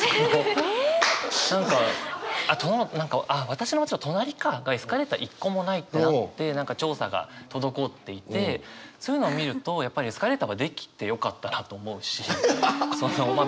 私の町の隣かがエスカレーター一個もないってなって何か調査が滞っていてそういうのを見るとやっぱりエスカレーターが出来てよかったなと思うしま